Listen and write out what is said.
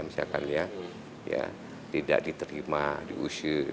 misalkan ya tidak diterima diusir